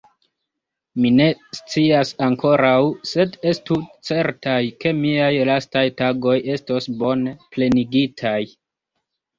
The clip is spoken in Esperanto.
Mi ne scias ankoraŭ; sed estu certaj, ke miaj lastaj tagoj estos bone plenigitaj.